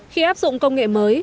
khi áp dụng công nghệ mới